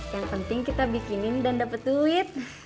yang penting kita bikinin dan dapet duit